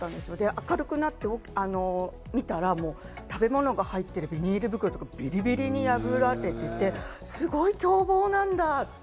明るくなって見たら、食べ物が入っているビニール袋とかがビリビリに破られていて、すごい凶暴なんだ！って。